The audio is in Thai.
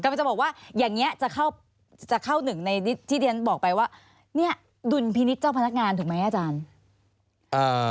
มันจะบอกว่าอย่างนี้จะเข้าจะเข้าหนึ่งในที่เรียนบอกไปว่าเนี่ยดุลพินิษฐ์เจ้าพนักงานถูกไหมอาจารย์